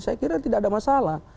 saya kira tidak ada masalah